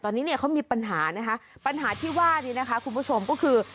ตอนนี้เนี่ยเขามีปัญหานะคะปัญหาที่ว่านี้นะคะคุณผู้ชมก็คือ